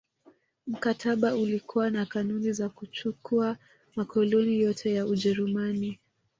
Mkataba ulikuwa na kanuni za kuchukua makoloni yote ya Ujerumani